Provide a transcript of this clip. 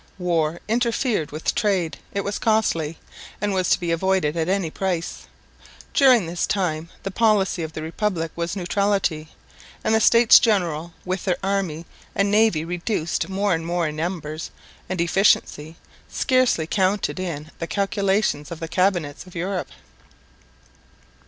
War interfered with trade; it was costly, and was to be avoided at any price. During this time the policy of the Republic was neutrality; and the States General, with their army and navy reduced more and more in numbers and efficiency, scarcely counted in the calculations of the cabinets of Europe.